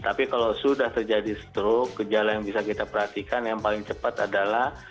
tapi kalau sudah terjadi stroke gejala yang bisa kita perhatikan yang paling cepat adalah